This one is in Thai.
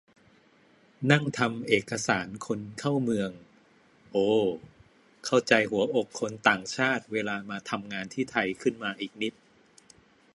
นั่งทำเอกสารคนเข้าเมือง โอ เข้าใจหัวอกคนต่างชาติเวลามาทำงานที่ไทยขึ้นมาอีกนิด